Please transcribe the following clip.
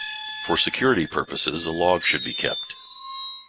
For security purposes, a log should be kept.